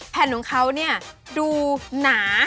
แผ่นของเขาเนี่ยดูหนา